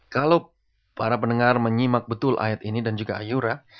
kalau para pendengar menyimak betul ayat ini dan juga ayora